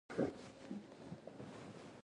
اجازه یې ورنه کړه.